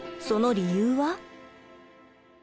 その理由は？